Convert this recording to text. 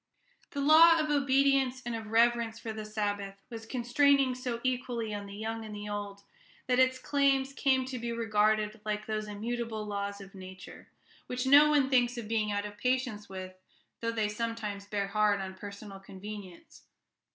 The law of obedience and of reverence for the Sabbath was constraining so equally on the young and the old, that its claims came to be regarded like those immutable laws of nature, which no one thinks of being out of patience with, though they sometimes bear hard on personal convenience.